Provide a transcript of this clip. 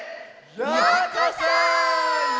ようこそ！